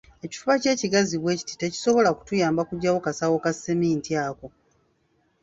Ekifuba kyo ekigazi bwe kiti tekisobola kutuyamba kuggyawo kasawo ka seminti ako.